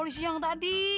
kalo kita suruh keluar